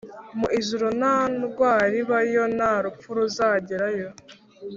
Mu ijuru nta ndwar'ibayo, nta rupfu ruzagerayo